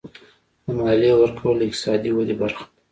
د مالیې ورکول د اقتصادي ودې برخه ده.